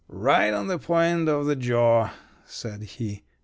"Right on the point of the jaw," said he.